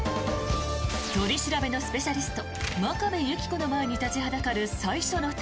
取り調べのスペシャリスト真壁有希子の前に立ちはだかる最初の敵。